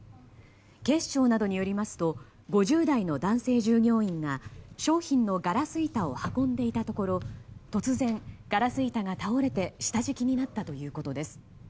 警視庁などによりますと５０代の男性従業員が商品のガラス板を運んでいたところ突然、ガラス板が倒れて下敷きになったということです。